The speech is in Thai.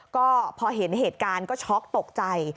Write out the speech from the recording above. ก็พอเห็นเหตุการณ์ก็ช็อกตกใจ